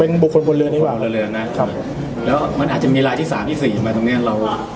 เป็นบุคคลบนเรือดีกว่าเร็วเรือนะครับแล้วมันอาจจะมีลายที่สามที่สี่มาตรงเนี้ยเรา